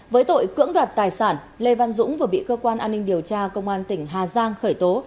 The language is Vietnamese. với tội cưỡng đoạt tài sản lê văn dũng vừa bị cơ quan an ninh điều tra công an tỉnh hà giang khởi tố